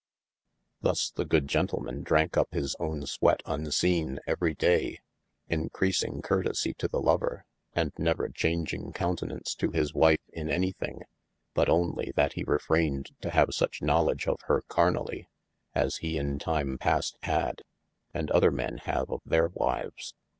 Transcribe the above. Thus the good gentleman dranke up his owne swette unseene every day, encreasing curtesie to the lover, and never chaunging countenaunce to his wife in any thing, but onely that he 442 OF MASTER F. J. refrayned to have such knowledge of hir carnally, as he in tim[e] past had, and other men have of their wives.